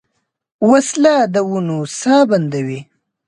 وسله د ونو ساه بندوي